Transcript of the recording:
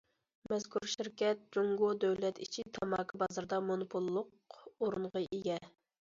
مەزكۇر شىركەت جۇڭگو دۆلەت ئىچى تاماكا بازىرىدا مونوپوللۇق ئورۇنغا ئىگە.